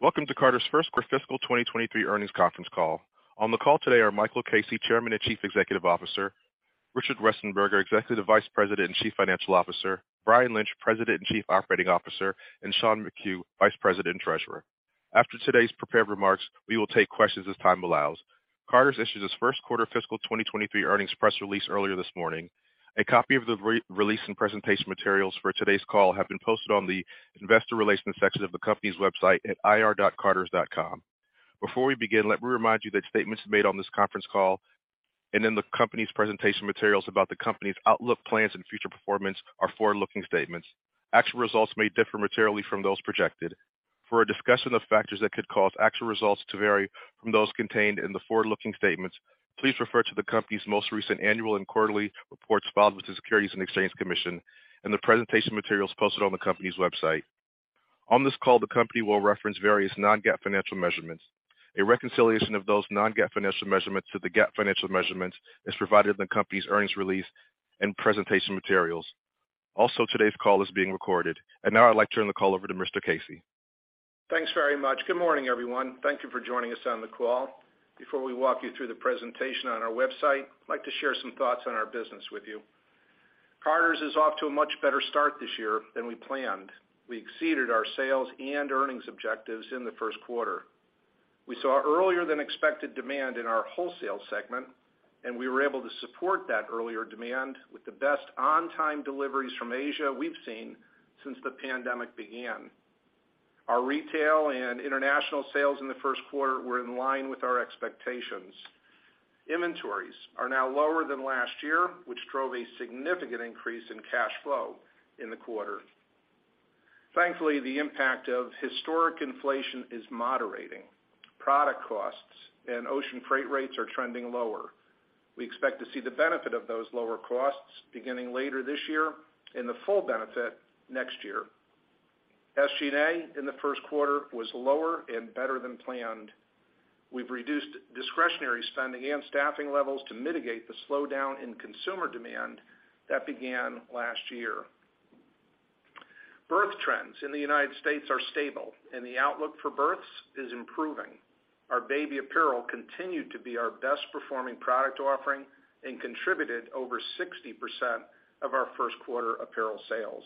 Welcome to Carter's First Quarter Fiscal 2023 Earnings Conference Call. On the call today are Michael Casey, Chairman and Chief Executive Officer, Richard Westenberger, Executive Vice President and Chief Financial Officer, Brian Lynch, President and Chief Operating Officer, and Sean McHugh, Vice President and Treasurer. After today's prepared remarks, we will take questions as time allows. Carter's issued its first quarter fiscal 2023 earnings press release earlier this morning. A copy of the re-release and presentation materials for today's call have been posted on the investor relations section of the company's website at ir.carters.com. Before we begin, let me remind you that statements made on this conference call and in the company's presentation materials about the company's outlook, plans and future performance are forward-looking statements. Actual results may differ materially from those projected. For a discussion of factors that could cause actual results to vary from those contained in the forward-looking statements, please refer to the company's most recent annual and quarterly reports filed with the Securities and Exchange Commission and the presentation materials posted on the company's website. On this call, the company will reference various non-GAAP financial measurements. A reconciliation of those non-GAAP financial measurements to the GAAP financial measurements is provided in the company's earnings release and presentation materials. Also, today's call is being recorded. Now I'd like to turn the call over to Mr. Casey. Thanks very much. Good morning, everyone. Thank you for joining us on the call. Before we walk you through the presentation on our website, I'd like to share some thoughts on our business with you. Carter's is off to a much better start this year than we planned. We exceeded our sales and earnings objectives in the first quarter. We saw earlier than expected demand in our wholesale segment. We were able to support that earlier demand with the best on-time deliveries from Asia we've seen since the pandemic began. Our retail and international sales in the first quarter were in line with our expectations. Inventories are now lower than last year, which drove a significant increase in cash flow in the quarter. Thankfully, the impact of historic inflation is moderating. Product costs and ocean freight rates are trending lower. We expect to see the benefit of those lower costs beginning later this year and the full benefit next year. SG&A in the first quarter was lower and better than planned. We've reduced discretionary spending and staffing levels to mitigate the slowdown in consumer demand that began last year. Birth trends in the United States are stable, and the outlook for births is improving. Our baby apparel continued to be our best performing product offering and contributed over 60% of our first quarter apparel sales.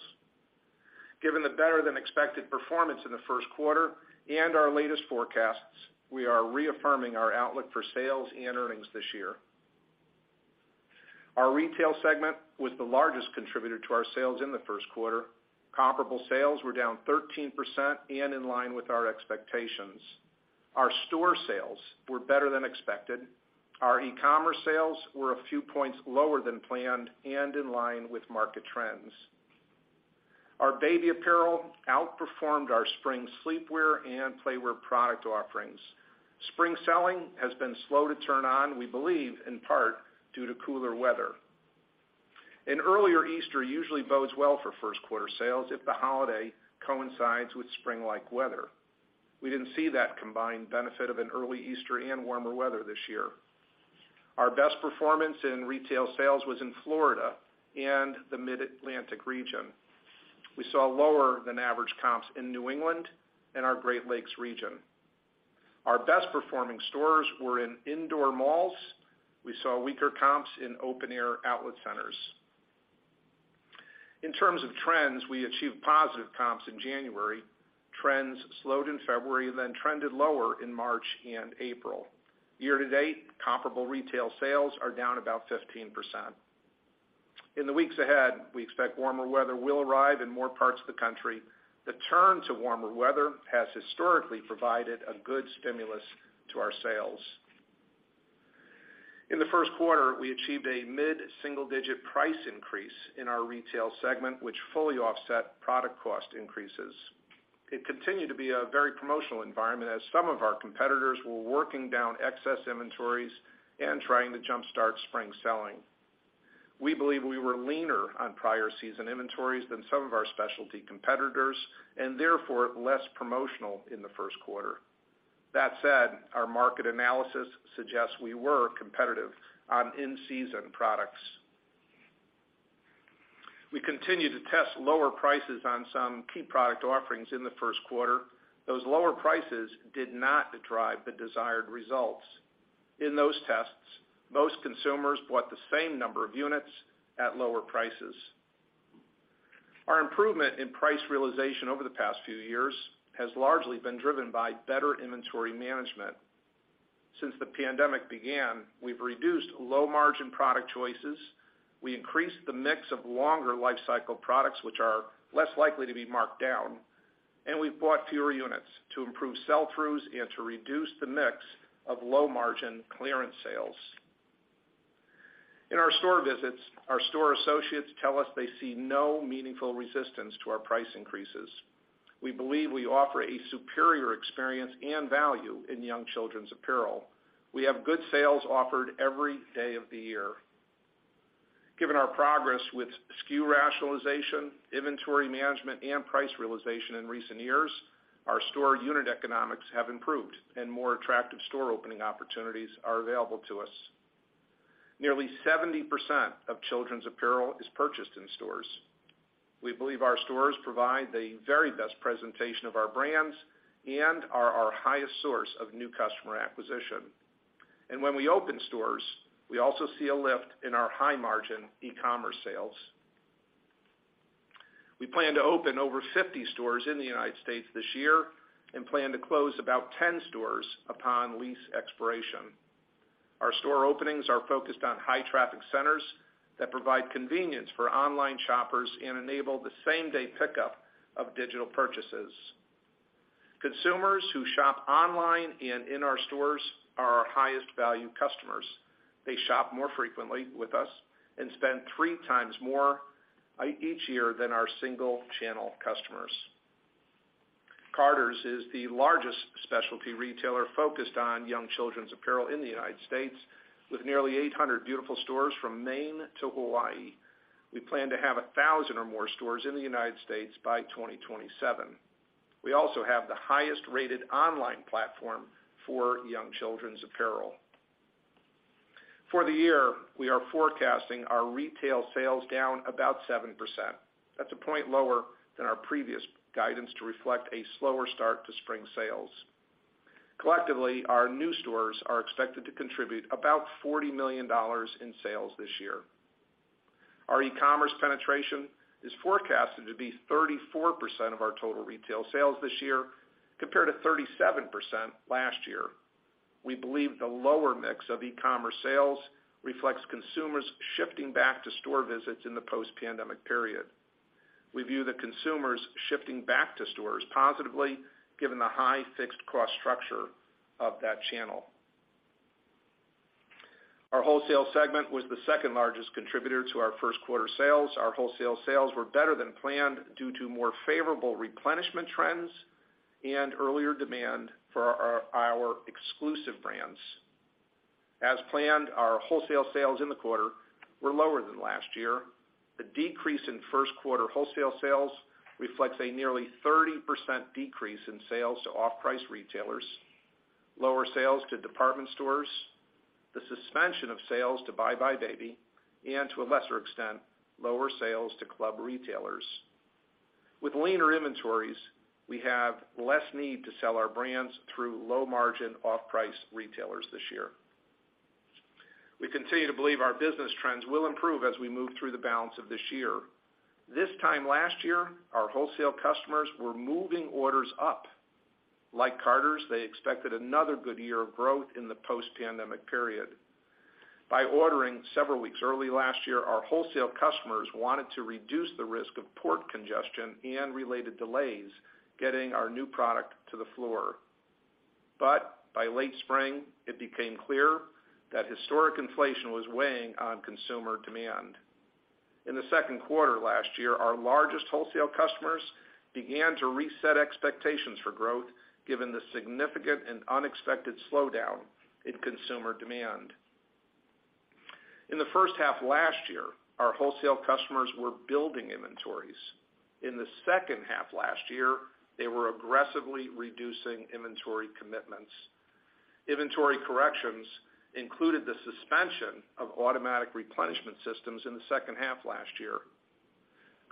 Given the better than expected performance in the first quarter and our latest forecasts, we are reaffirming our outlook for sales and earnings this year. Our retail segment was the largest contributor to our sales in the first quarter. Comparable sales were down 13% and in line with our expectations. Our store sales were better than expected. Our e-commerce sales were a few points lower than planned and in line with market trends. Our baby apparel outperformed our spring sleepwear and playwear product offerings. Spring selling has been slow to turn on, we believe, in part due to cooler weather. An earlier Easter usually bodes well for first quarter sales if the holiday coincides with spring like weather. We didn't see that combined benefit of an early Easter and warmer weather this year. Our best performance in retail sales was in Florida and the Mid-Atlantic region. We saw lower than average comps in New England and our Great Lakes region. Our best performing stores were in indoor malls. We saw weaker comps in open air outlet centers. In terms of trends, we achieved positive comps in January. Trends slowed in February, then trended lower in March and April. Year to date, comparable retail sales are down about 15%. In the weeks ahead, we expect warmer weather will arrive in more parts of the country. The turn to warmer weather has historically provided a good stimulus to our sales. In the first quarter, we achieved a mid-single digit price increase in our retail segment, which fully offset product cost increases. It continued to be a very promotional environment as some of our competitors were working down excess inventories and trying to jumpstart spring selling. We believe we were leaner on prior season inventories than some of our specialty competitors and therefore less promotional in the first quarter. That said, our market analysis suggests we were competitive on in-season products. We continue to test lower prices on some key product offerings in the first quarter. Those lower prices did not drive the desired results. In those tests, most consumers bought the same number of units at lower prices. Our improvement in price realization over the past few years has largely been driven by better inventory management. Since the pandemic began, we've reduced low margin product choices. We increased the mix of longer life cycle products, which are less likely to be marked down. We've bought fewer units to improve sell throughs and to reduce the mix of low margin clearance sales. In our store visits, our store associates tell us they see no meaningful resistance to our price increases. We believe we offer a superior experience and value in young children's apparel. We have good sales offered every day of the year. Given our progress with SKU rationalization, inventory management, and price realization in recent years, our store unit economics have improved and more attractive store opening opportunities are available to us. Nearly 70% of children's apparel is purchased in stores. We believe our stores provide the very best presentation of our brands and are our highest source of new customer acquisition. When we open stores, we also see a lift in our high-margin e-commerce sales. We plan to open over 50 stores in the United States this year and plan to close about 10 stores upon lease expiration. Our store openings are focused on high-traffic centers that provide convenience for online shoppers and enable the same-day pickup of digital purchases. Consumers who shop online and in our stores are our highest value customers. They shop more frequently with us and spend three times more each year than our single-channel customers. Carter's is the largest specialty retailer focused on young children's apparel in the United States, with nearly 800 beautiful stores from Maine to Hawaii. We plan to have 1,000 or more stores in the United States by 2027. We also have the highest-rated online platform for young children's apparel. For the year, we are forecasting our retail sales down about 7%. That's a point lower than our previous guidance to reflect a slower start to spring sales. Collectively, our new stores are expected to contribute about $40 million in sales this year. Our e-commerce penetration is forecasted to be 34% of our total retail sales this year, compared to 37% last year. We believe the lower mix of e-commerce sales reflects consumers shifting back to store visits in the post-pandemic period. We view the consumers shifting back to stores positively given the high fixed cost structure of that channel. Our wholesale segment was the second-largest contributor to our first quarter sales. Our wholesale sales were better than planned due to more favorable replenishment trends and earlier demand for our exclusive brands. As planned, our wholesale sales in the quarter were lower than last year. The decrease in first quarter wholesale sales reflects a nearly 30% decrease in sales to off-price retailers, lower sales to department stores, the suspension of sales to buybuy BABY, and to a lesser extent, lower sales to club retailers. With leaner inventories, we have less need to sell our brands through low-margin off-price retailers this year. We continue to believe our business trends will improve as we move through the balance of this year. This time last year, our wholesale customers were moving orders up. Like Carter's, they expected another good year of growth in the post-pandemic period. By ordering several weeks early last year, our wholesale customers wanted to reduce the risk of port congestion and related delays getting our new product to the floor. By late spring, it became clear that historic inflation was weighing on consumer demand. In the second quarter last year, our largest wholesale customers began to reset expectations for growth given the significant and unexpected slowdown in consumer demand. In the first half last year, our wholesale customers were building inventories. In the second half last year, they were aggressively reducing inventory commitments. Inventory corrections included the suspension of automatic replenishment systems in the second half last year.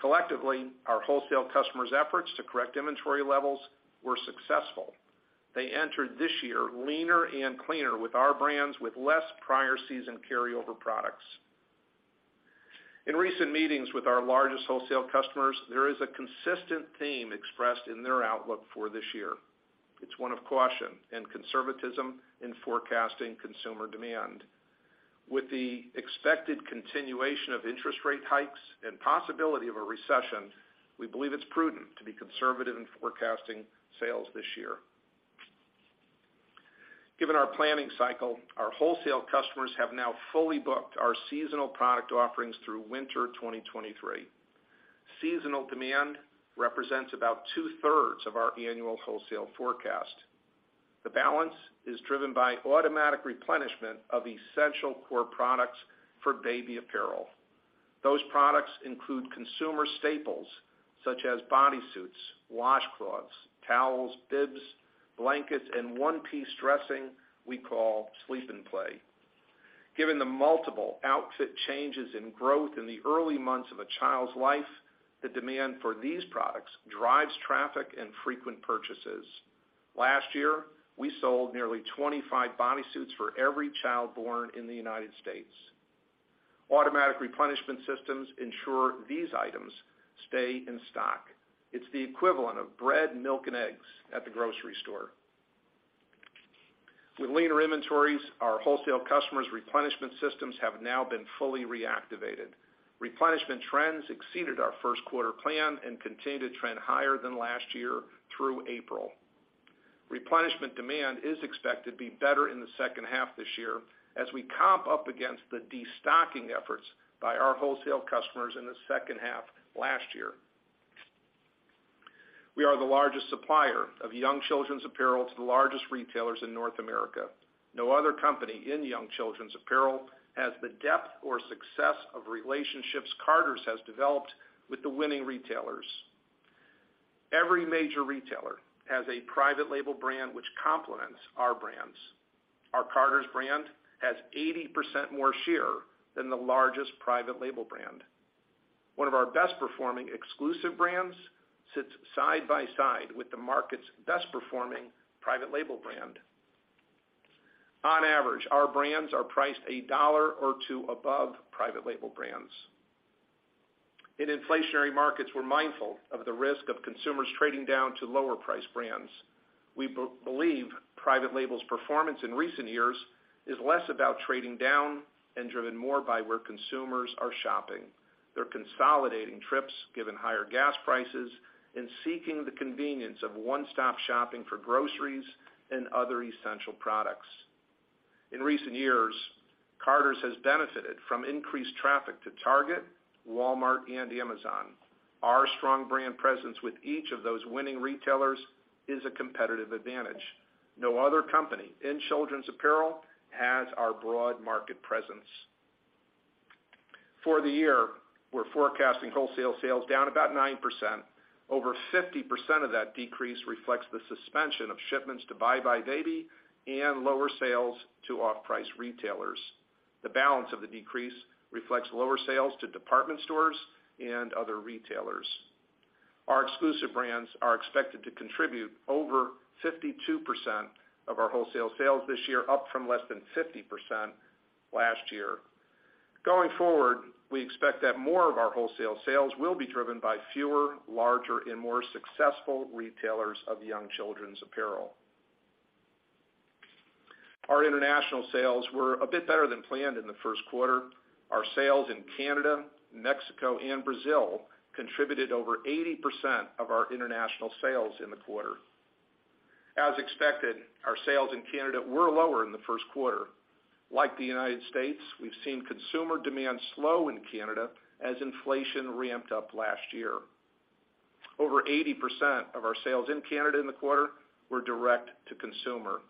Collectively, our wholesale customers' efforts to correct inventory levels were successful. They entered this year leaner and cleaner with our brands with less prior season carryover products. In recent meetings with our largest wholesale customers, there is a consistent theme expressed in their outlook for this year. It's one of caution and conservatism in forecasting consumer demand. With the expected continuation of interest rate hikes and possibility of a recession, we believe it's prudent to be conservative in forecasting sales this year. Given our planning cycle, our wholesale customers have now fully booked our seasonal product offerings through winter 2023. Seasonal demand represents about two-thirds of our annual wholesale forecast. The balance is driven by automatic replenishment of essential core products for baby apparel. Those products include consumer staples such as bodysuits, washcloths, towels, bibs, blankets, and one-piece dressing we call Sleep & Play. Given the multiple outfit changes in growth in the early months of a child's life, the demand for these products drives traffic and frequent purchases. Last year, we sold nearly 25 bodysuits for every child born in the United States. Automatic replenishment systems ensure these items stay in stock. It's the equivalent of bread, milk, and eggs at the grocery store. With leaner inventories, our wholesale customers' replenishment systems have now been fully reactivated. Replenishment trends exceeded our first quarter plan and continue to trend higher than last year through April. Replenishment demand is expected to be better in the second half this year as we comp up against the destocking efforts by our wholesale customers in the second half last year. We are the largest supplier of young children's apparel to the largest retailers in North America. No other company in young children's apparel has the depth or success of relationships Carter's has developed with the winning retailers. Every major retailer has a private label brand which complements our brands. Our Carter's brand has 80% more share than the largest private label brand. One of our best-performing exclusive brands sits side by side with the market's best-performing private label brand. On average, our brands are priced $1 or $2 above private label brands. In inflationary markets, we're mindful of the risk of consumers trading down to lower-priced brands. We believe private labels' performance in recent years is less about trading down and driven more by where consumers are shopping. They're consolidating trips given higher gas prices and seeking the convenience of one-stop shopping for groceries and other essential products. In recent years, Carter's has benefited from increased traffic to Target, Walmart, and Amazon. Our strong brand presence with each of those winning retailers is a competitive advantage. No other company in children's apparel has our broad market presence. For the year, we're forecasting wholesale sales down about 9%. Over 50% of that decrease reflects the suspension of shipments to buybuy BABY and lower sales to off-price retailers. The balance of the decrease reflects lower sales to department stores and other retailers. Our exclusive brands are expected to contribute over 52% of our wholesale sales this year, up from less than 50% last year. Going forward, we expect that more of our wholesale sales will be driven by fewer, larger, and more successful retailers of young children's apparel. Our international sales were a bit better than planned in the first quarter. Our sales in Canada, Mexico, and Brazil contributed over 80% of our international sales in the quarter. As expected, our sales in Canada were lower in the first quarter. Like the United States, we've seen consumer demand slow in Canada as inflation ramped up last year. Over 80% of our sales in Canada in the quarter were direct-to-consumer.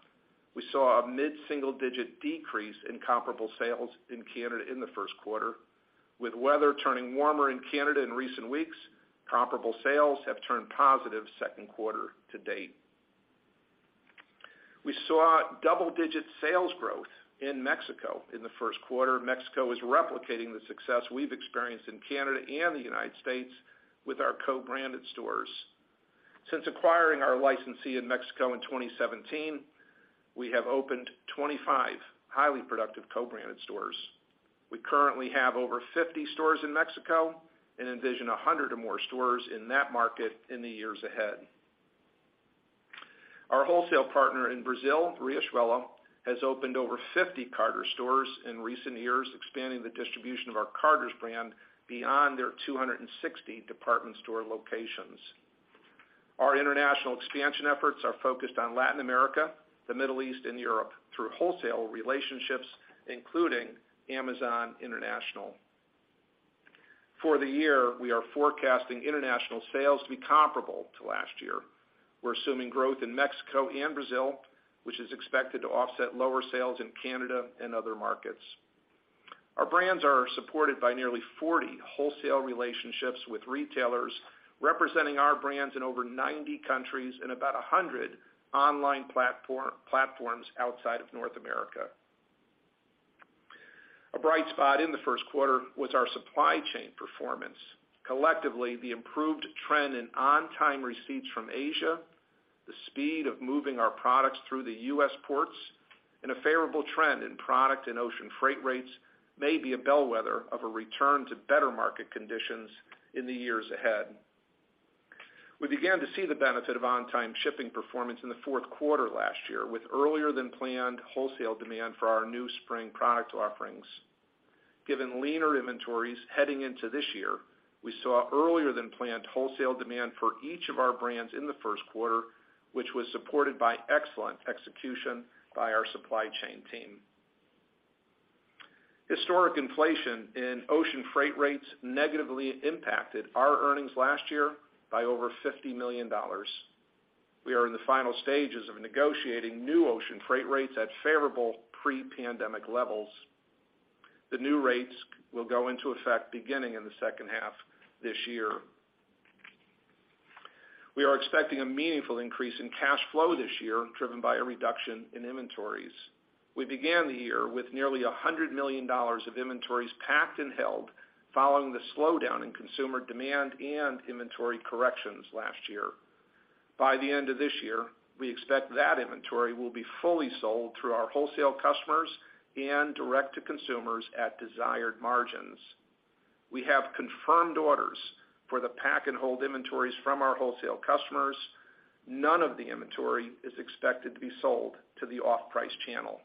We saw a mid-single-digit decrease in comparable sales in Canada in the first quarter. With weather turning warmer in Canada in recent weeks, comparable sales have turned positive second quarter to date. We saw double-digit sales growth in Mexico in the first quarter. Mexico is replicating the success we've experienced in Canada and the United States with our co-branded stores. Since acquiring our licensee in Mexico in 2017, we have opened 25 highly productive co-branded stores. We currently have over 50 stores in Mexico and envision 100 or more stores in that market in the years ahead. Our wholesale partner in Brazil, Riachuelo, has opened over 50 Carter's stores in recent years, expanding the distribution of our Carter's brand beyond their 260 department store locations. Our international expansion efforts are focused on Latin America, the Middle East, and Europe through wholesale relationships, including Amazon International. For the year, we are forecasting international sales to be comparable to last year. We're assuming growth in Mexico and Brazil, which is expected to offset lower sales in Canada and other markets. Our brands are supported by nearly 40 wholesale relationships with retailers, representing our brands in over 90 countries and about 100 online platforms outside of North America. A bright spot in the first quarter was our supply chain performance. Collectively, the improved trend in on-time receipts from Asia, the speed of moving our products through the U.S. ports, and a favorable trend in product and ocean freight rates may be a bellwether of a return to better market conditions in the years ahead. We began to see the benefit of on-time shipping performance in the fourth quarter last year with earlier-than-planned wholesale demand for our new spring product offerings. Given leaner inventories heading into this year, we saw earlier-than-planned wholesale demand for each of our brands in the first quarter, which was supported by excellent execution by our supply chain team. Historic inflation in ocean freight rates negatively impacted our earnings last year by over $50 million. We are in the final stages of negotiating new ocean freight rates at favorable pre-pandemic levels. The new rates will go into effect beginning in the second half this year. We are expecting a meaningful increase in cash flow this year, driven by a reduction in inventories. We began the year with nearly $100 million of inventories packed and held following the slowdown in consumer demand and inventory corrections last year. By the end of this year, we expect that inventory will be fully sold through our wholesale customers and direct to consumers at desired margins. We have confirmed orders for the pack-and-hold inventories from our wholesale customers. None of the inventory is expected to be sold to the off-price channel.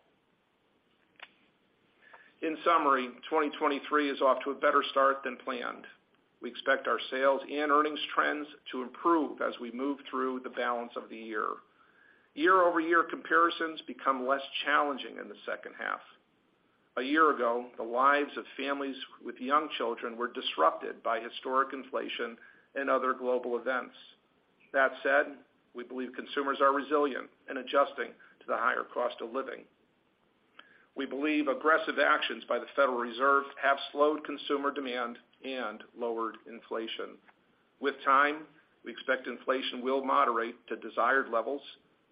In summary, 2023 is off to a better start than planned. We expect our sales and earnings trends to improve as we move through the balance of the year. Year-over-year comparisons become less challenging in the second half. A year ago, the lives of families with young children were disrupted by historic inflation and other global events. That said, we believe consumers are resilient in adjusting to the higher cost of living. We believe aggressive actions by the Federal Reserve have slowed consumer demand and lowered inflation. With time, we expect inflation will moderate to desired levels,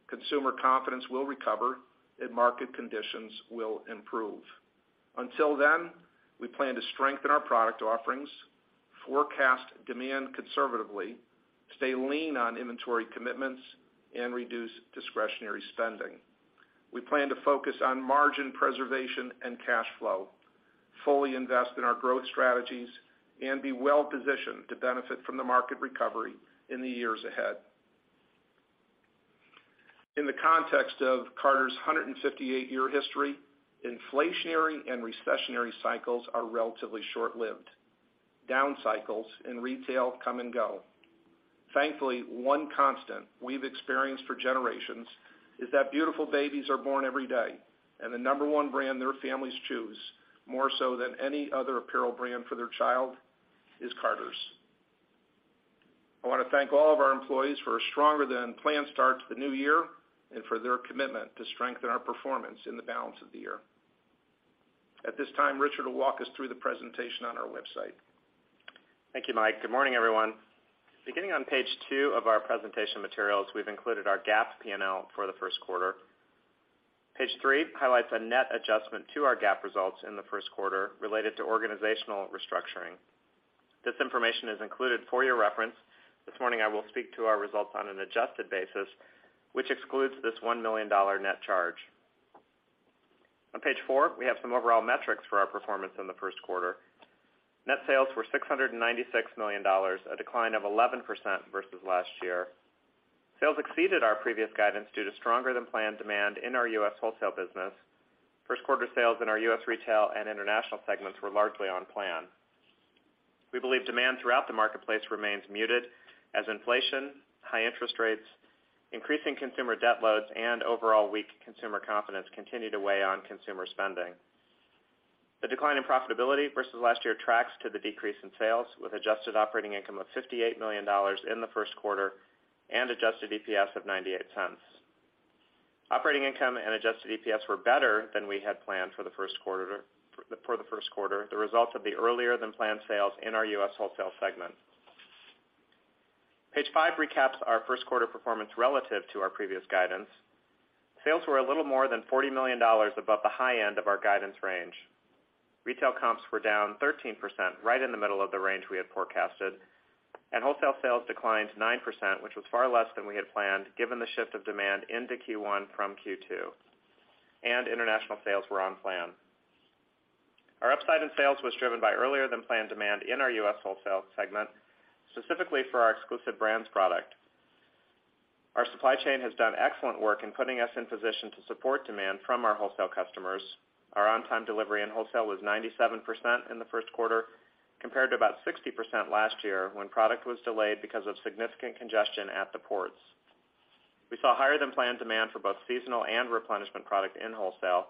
consumer confidence will recover, and market conditions will improve. Until then, we plan to strengthen our product offerings, forecast demand conservatively, stay lean on inventory commitments, and reduce discretionary spending. We plan to focus on margin preservation and cash flow, fully invest in our growth strategies, and be well-positioned to benefit from the market recovery in the years ahead.In the context of Carter's 158-year history, inflationary and recessionary cycles are relatively short-lived. Down cycles in retail come and go. Thankfully, one constant we've experienced for generations is that beautiful babies are born every day, and the number one brand their families choose, more so than any other apparel brand for their child, is Carter's. I want to thank all of our employees for a stronger than planned start to the new year and for their commitment to strengthen our performance in the balance of the year. At this time, Richard will walk us through the presentation on our website. Thank you, Mike. Good morning, everyone. Beginning on page 2 of our presentation materials, we've included our GAAP P&L for the first quarter. Page 3 highlights a net adjustment to our GAAP results in the first quarter related to organizational restructuring. This information is included for your reference. This morning, I will speak to our results on an adjusted basis, which excludes this $1 million net charge. On page 4, we have some overall metrics for our performance in the first quarter. Net sales were $696 million, a decline of 11% versus last year. Sales exceeded our previous guidance due to stronger than planned demand in our U.S. wholesale business. First quarter sales in our U.S. retail and international segments were largely on plan. We believe demand throughout the marketplace remains muted as inflation, high interest rates, increasing consumer debt loads, and overall weak consumer confidence continue to weigh on consumer spending. The decline in profitability versus last year tracks to the decrease in sales, with adjusted operating income of $58 million in the first quarter and adjusted EPS of $0.98. Operating income and adjusted EPS were better than we had planned for the first quarter, the result of the earlier than planned sales in our U.S. wholesale segment. Page 5 recaps our first quarter performance relative to our previous guidance. Sales were a little more than $40 million above the high end of our guidance range. Retail comps were down 13%, right in the middle of the range we had forecasted. Wholesale sales declined 9%, which was far less than we had planned given the shift of demand into Q1 from Q2. International sales were on plan. Our upside in sales was driven by earlier than planned demand in our U.S. wholesale segment, specifically for our exclusive brands product. Our supply chain has done excellent work in putting us in position to support demand from our wholesale customers. Our on-time delivery in wholesale was 97% in the first quarter, compared to about 60% last year when product was delayed because of significant congestion at the ports. We saw higher than planned demand for both seasonal and replenishment product in wholesale.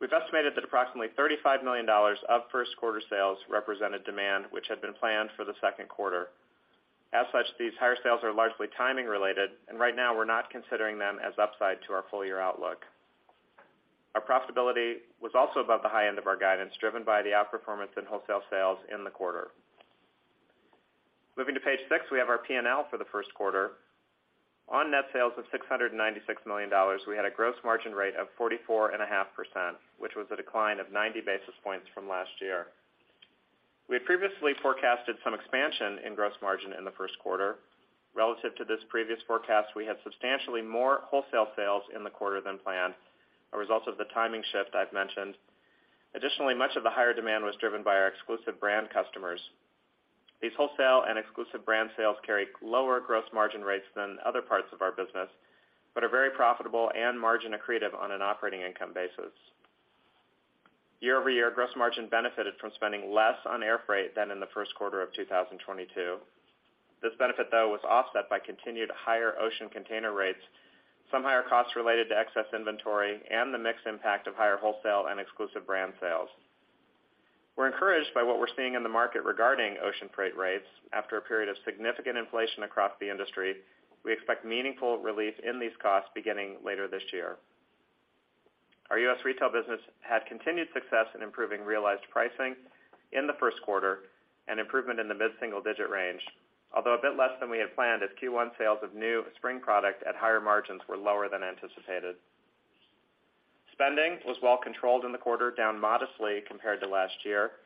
We've estimated that approximately $35 million of first quarter sales represented demand, which had been planned for the second quarter. These higher sales are largely timing related, and right now we're not considering them as upside to our full year outlook. Our profitability was also above the high end of our guidance, driven by the outperformance in wholesale sales in the quarter. Moving to page 6, we have our P&L for the first quarter. On net sales of $696 million, we had a gross margin rate of 44.5%, which was a decline of 90 basis points from last year. We had previously forecasted some expansion in gross margin in the first quarter. Relative to this previous forecast, we had substantially more wholesale sales in the quarter than planned, a result of the timing shift I've mentioned. Additionally, much of the higher demand was driven by our exclusive brand customers. These wholesale and exclusive brand sales carry lower gross margin rates than other parts of our business, but are very profitable and margin accretive on an operating income basis. Year-over-year, gross margin benefited from spending less on air freight than in the first quarter of 2022. This benefit, though, was offset by continued higher ocean container rates, some higher costs related to excess inventory, and the mixed impact of higher wholesale and exclusive brand sales. We're encouraged by what we're seeing in the market regarding ocean freight rates. After a period of significant inflation across the industry, we expect meaningful relief in these costs beginning later this year. Our U.S. retail business had continued success in improving realized pricing in the 1st quarter, an improvement in the mid-single digit range, although a bit less than we had planned as Q1 sales of new spring product at higher margins were lower than anticipated. Spending was well controlled in the quarter, down modestly compared to last year.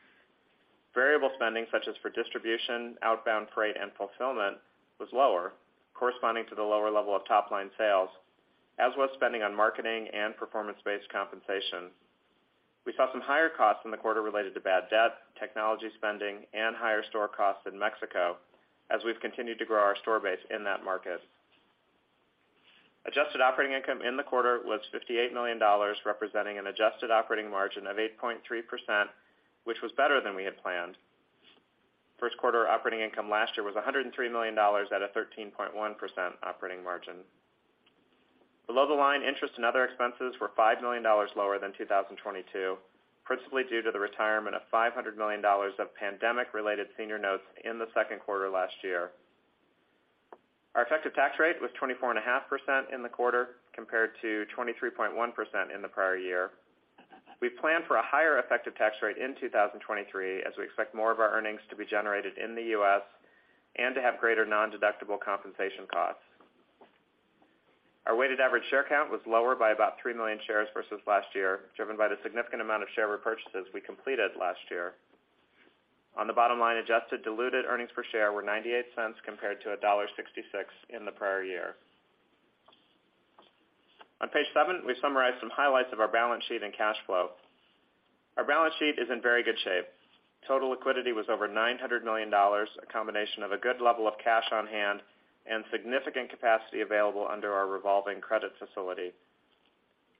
Variable spending, such as for distribution, outbound freight, and fulfillment, was lower, corresponding to the lower level of top-line sales, as was spending on marketing and performance-based compensation. We saw some higher costs in the quarter related to bad debt, technology spending, and higher store costs in Mexico as we've continued to grow our store base in that market. Adjusted operating income in the quarter was $58 million, representing an adjusted operating margin of 8.3%, which was better than we had planned. First quarter operating income last year was $103 million at a 13.1% operating margin. Below the line, interest and other expenses were $5 million lower than 2022, principally due to the retirement of $500 million of pandemic-related senior notes in the second quarter last year. Our effective tax rate was 24.5% in the quarter compared to 23.1% in the prior year. We plan for a higher effective tax rate in 2023 as we expect more of our earnings to be generated in the U.S. and to have greater nondeductible compensation costs. Our weighted average share count was lower by about 3 million shares versus last year, driven by the significant amount of share repurchases we completed last year. On the bottom line, adjusted diluted earnings per share were $0.98 compared to $1.66 in the prior year. On page 7, we summarize some highlights of our balance sheet and cash flow. Our balance sheet is in very good shape. Total liquidity was over $900 million, a combination of a good level of cash on hand and significant capacity available under our revolving credit facility.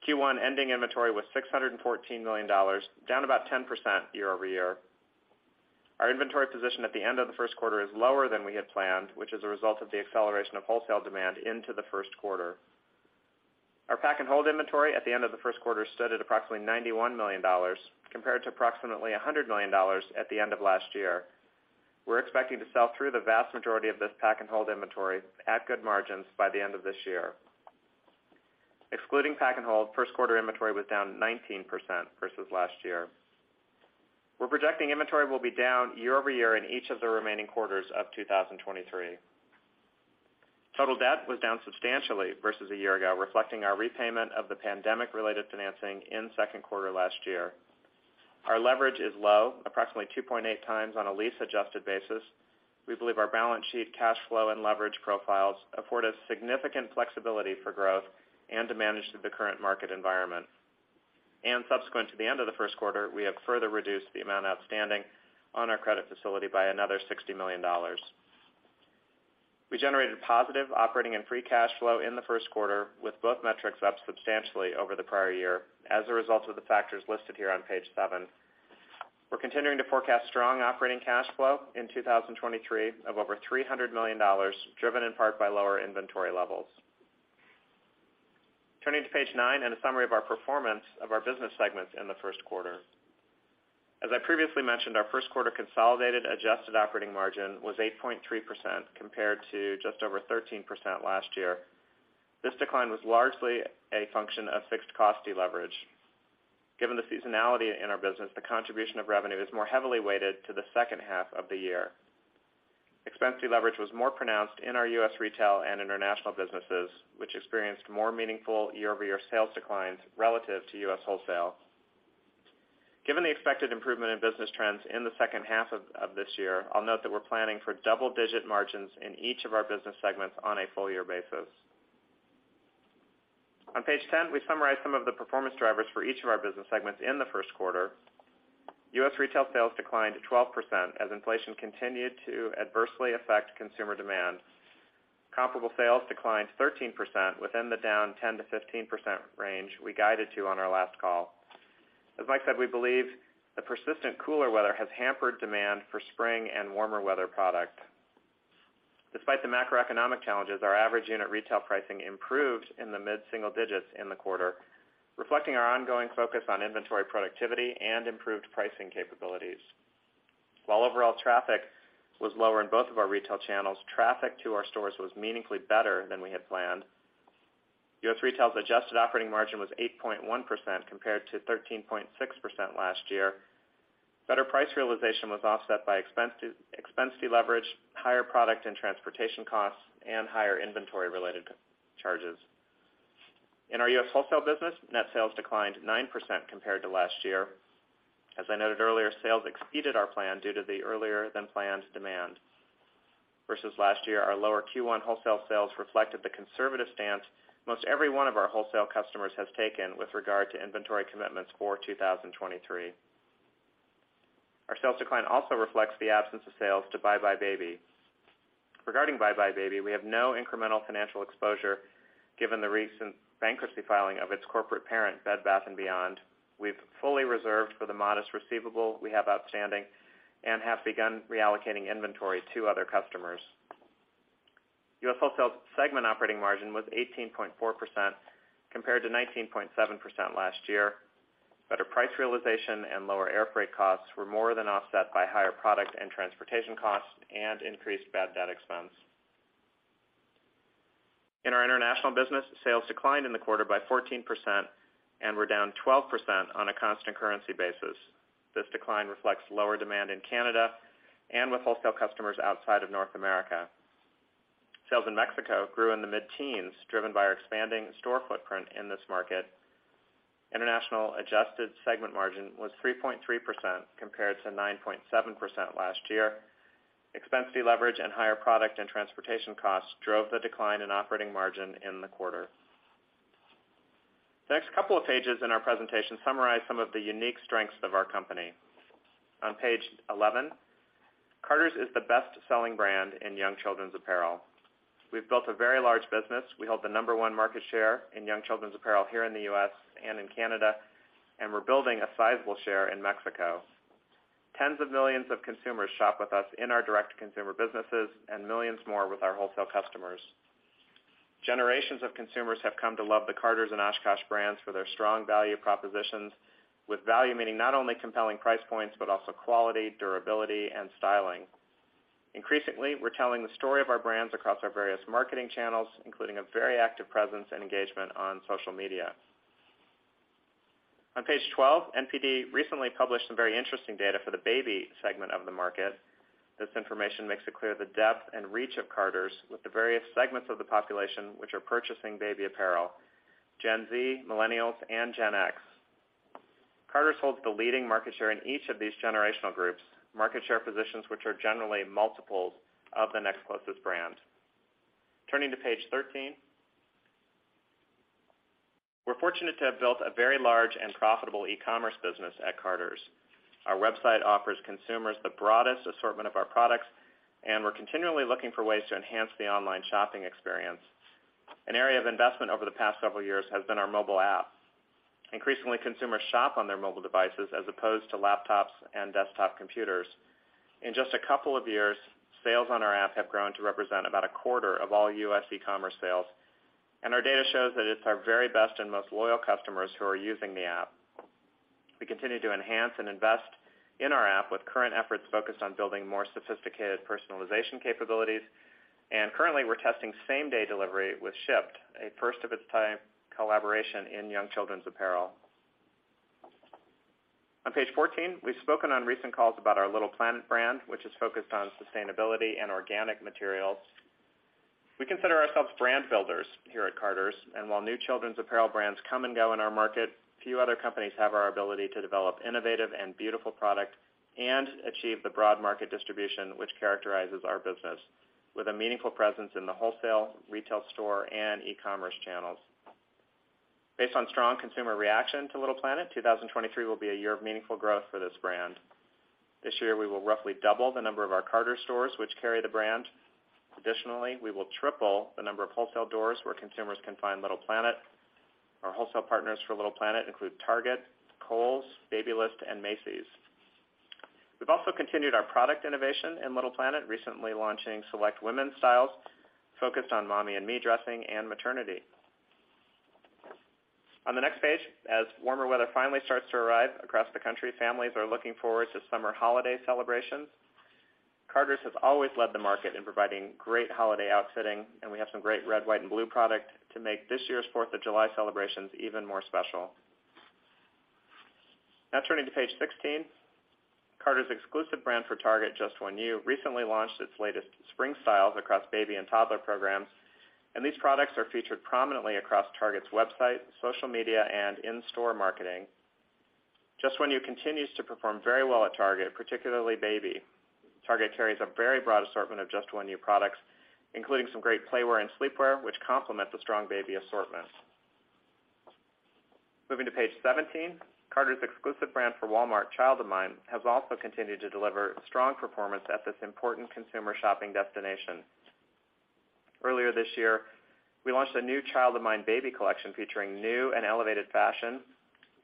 Q1 ending inventory was $614 million, down about 10% year-over-year. Our inventory position at the end of the first quarter is lower than we had planned, which is a result of the acceleration of wholesale demand into the first quarter. Our pack-and-hold inventory at the end of the first quarter stood at approximately $91 million compared to approximately $100 million at the end of last year. We're expecting to sell through the vast majority of this pack and hold inventory at good margins by the end of this year. Excluding pack and hold, first quarter inventory was down 19% versus last year. We're projecting inventory will be down year-over-year in each of the remaining quarters of 2023. Total debt was down substantially versus a year ago, reflecting our repayment of the pandemic-related financing in second quarter last year. Our leverage is low, approximately 2.8x on a lease-adjusted basis. We believe our balance sheet, cash flow, and leverage profiles afford us significant flexibility for growth and to manage the current market environment. Subsequent to the end of the first quarter, we have further reduced the amount outstanding on our credit facility by another $60 million. We generated positive operating and free cash flow in the first quarter, with both metrics up substantially over the prior year as a result of the factors listed here on page 7. We're continuing to forecast strong operating cash flow in 2023 of over $300 million, driven in part by lower inventory levels. Turning to page 9 and a summary of our performance of our business segments in the first quarter. As I previously mentioned, our first quarter consolidated adjusted operating margin was 8.3% compared to just over 13% last year. This decline was largely a function of fixed cost deleverage. Given the seasonality in our business, the contribution of revenue is more heavily weighted to the second half of the year. Expense deleverage was more pronounced in our U.S. retail and international businesses, which experienced more meaningful year-over-year sales declines relative to U.S. wholesale. Given the expected improvement in business trends in the second half of this year, I'll note that we're planning for double-digit margins in each of our business segments on a full year basis. On page 10, we summarize some of the performance drivers for each of our business segments in the first quarter. U.S. retail sales declined 12% as inflation continued to adversely affect consumer demand. Comparable sales declined 13% within the down 10%-15% range we guided to on our last call. As Mike said, we believe the persistent cooler weather has hampered demand for spring and warmer weather product. Despite the macroeconomic challenges, our average unit retail pricing improved in the mid-single digits in the quarter, reflecting our ongoing focus on inventory productivity and improved pricing capabilities. Overall traffic was lower in both of our retail channels, traffic to our stores was meaningfully better than we had planned. U.S. retail's adjusted operating margin was 8.1% compared to 13.6% last year. Better price realization was offset by expense deleverage, higher product and transportation costs, and higher inventory-related charges. In our U.S. wholesale business, net sales declined 9% compared to last year. I noted earlier, sales exceeded our plan due to the earlier than planned demand. Last year, our lower Q1 wholesale sales reflected the conservative stance most every one of our wholesale customers has taken with regard to inventory commitments for 2023. Our sales decline also reflects the absence of sales to buybuy BABY. Regarding buybuy BABY, we have no incremental financial exposure given the recent bankruptcy filing of its corporate parent, Bed Bath & Beyond. We've fully reserved for the modest receivable we have outstanding and have begun reallocating inventory to other customers. U.S. wholesale segment operating margin was 18.4% compared to 19.7% last year. Better price realization and lower airfreight costs were more than offset by higher product and transportation costs and increased bad debt expense. In our international business, sales declined in the quarter by 14% and were down 12% on a constant currency basis. This decline reflects lower demand in Canada and with wholesale customers outside of North America. Sales in Mexico grew in the mid-teens, driven by our expanding store footprint in this market. International adjusted segment margin was 3.3% compared to 9.7% last year. Expense deleverage and higher product and transportation costs drove the decline in operating margin in the quarter. The next couple of pages in our presentation summarize some of the unique strengths of our company. On page 11, Carter's is the best-selling brand in young children's apparel. We've built a very large business. We hold the number 1 market share in young children's apparel here in the U.S. and in Canada, and we're building a sizable share in Mexico. Tens of millions of consumers shop with us in our direct-to-consumer businesses and millions more with our wholesale customers. Generations of consumers have come to love the Carter's and OshKosh brands for their strong value propositions, with value meaning not only compelling price points, but also quality, durability, and styling. Increasingly, we're telling the story of our brands across our various marketing channels, including a very active presence and engagement on social media. On page 12, NPD recently published some very interesting data for the baby segment of the market. This information makes it clear the depth and reach of Carter's with the various segments of the population which are purchasing baby apparel, Gen Z, Millennials, and Gen X. Carter's holds the leading market share in each of these generational groups, market share positions which are generally multiples of the next closest brand. Turning to page 13. We're fortunate to have built a very large and profitable e-commerce business at Carter's. Our website offers consumers the broadest assortment of our products, and we're continually looking for ways to enhance the online shopping experience. An area of investment over the past several years has been our mobile app. Increasingly, consumers shop on their mobile devices as opposed to laptops and desktop computers. In just a couple of years, sales on our app have grown to represent about a quarter of all U.S. e-commerce sales. Our data shows that it's our very best and most loyal customers who are using the app. We continue to enhance and invest in our app with current efforts focused on building more sophisticated personalization capabilities. Currently, we're testing same-day delivery with Shipt, a first of its time collaboration in young children's apparel. On page 14, we've spoken on recent calls about our Little Planet brand, which is focused on sustainability and organic materials. We consider ourselves brand builders here at Carter's, and while new children's apparel brands come and go in our market, few other companies have our ability to develop innovative and beautiful product and achieve the broad market distribution which characterizes our business with a meaningful presence in the wholesale, retail store, and e-commerce channels. Based on strong consumer reaction to Little Planet, 2023 will be a year of meaningful growth for this brand. This year, we will roughly double the number of our Carter's stores which carry the brand. Additionally, we will triple the number of wholesale doors where consumers can find Little Planet. Our wholesale partners for Little Planet include Target, Kohl's, Babylist, and Macy's. We've also continued our product innovation in Little Planet, recently launching select women's styles focused on mommy and me dressing and maternity. On the next page, as warmer weather finally starts to arrive across the country, families are looking forward to summer holiday celebrations. Carter's has always led the market in providing great holiday outfitting. We have some great red, white, and blue product to make this year's Fourth of July celebrations even more special. Turning to page 16. Carter's exclusive brand for Target, Just One You, recently launched its latest spring styles across baby and toddler programs. These products are featured prominently across Target's website, social media, and in-store marketing. Just One You continues to perform very well at Target, particularly baby. Target carries a very broad assortment of Just One You products, including some great playwear and sleepwear, which complement the strong baby assortment. Moving to page 17. Carter's exclusive brand for Walmart, Child of Mine, has also continued to deliver strong performance at this important consumer shopping destination. Earlier this year, we launched a new Child of Mine baby collection featuring new and elevated fashion.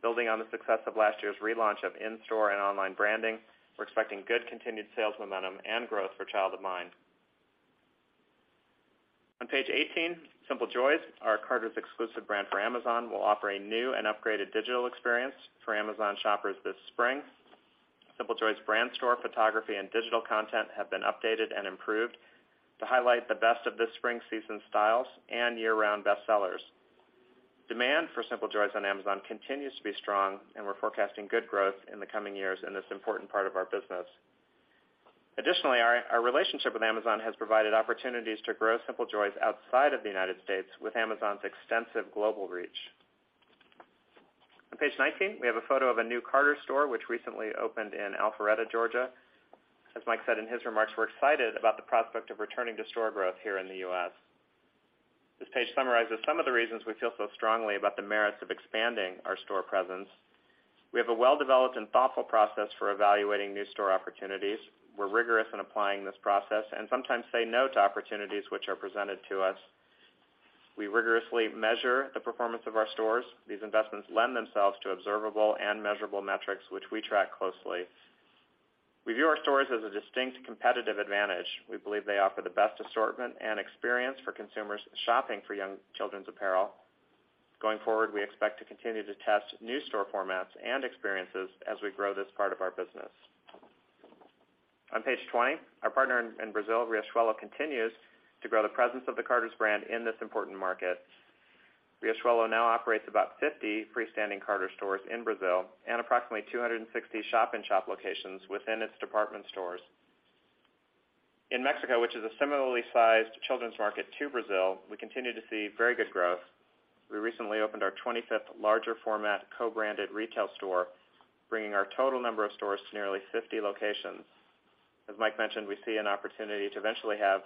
Building on the success of last year's relaunch of in-store and online branding, we're expecting good continued sales momentum and growth for Child of Mine. On page 18, Simple Joys, our Carter's exclusive brand for Amazon, will offer a new and upgraded digital experience for Amazon shoppers this spring. Simple Joys brand store photography and digital content have been updated and improved to highlight the best of this spring season styles and year-round bestsellers. Demand for Simple Joys on Amazon continues to be strong, and we're forecasting good growth in the coming years in this important part of our business. Additionally, our relationship with Amazon has provided opportunities to grow Simple Joys outside of the United States with Amazon's extensive global reach. On page 19, we have a photo of a new Carter's store, which recently opened in Alpharetta, Georgia. As Mike said in his remarks, we're excited about the prospect of returning to store growth here in the U.S. This page summarizes some of the reasons we feel so strongly about the merits of expanding our store presence. We have a well-developed and thoughtful process for evaluating new store opportunities. We're rigorous in applying this process and sometimes say no to opportunities which are presented to us. We rigorously measure the performance of our stores. These investments lend themselves to observable and measurable metrics, which we track closely. We view our stores as a distinct competitive advantage. We believe they offer the best assortment and experience for consumers shopping for young children's apparel. Going forward, we expect to continue to test new store formats and experiences as we grow this part of our business. On page 20, our partner in Brazil, Riachuelo, continues to grow the presence of the Carter's brand in this important market. Riachuelo now operates about 50 freestanding Carter's stores in Brazil and approximately 260 shop-in-shop locations within its department stores. In Mexico, which is a similarly sized children's market to Brazil, we continue to see very good growth. We recently opened our 25th larger format co-branded retail store, bringing our total number of stores to nearly 50 locations. As Mike mentioned, we see an opportunity to eventually have